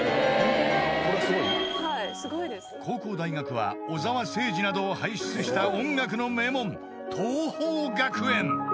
［高校大学は小澤征爾などを輩出した音楽の名門桐朋学園］